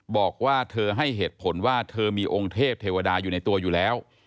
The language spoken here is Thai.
บอกว่าเธอให้เหตุผลว่าเธอมีองค์เทพเทวดาอยู่ในตัวอยู่แล้ว